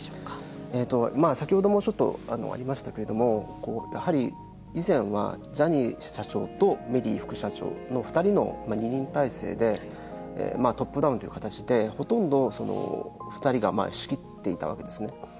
先ほどもちょっとありましたけれどもやはり以前はジャニー社長とメリー副社長の２人の２人体制でトップダウンという形でほとんど２人が仕切っていたわけですね。